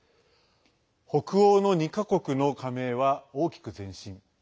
北欧の２か国の加盟は大きく前進。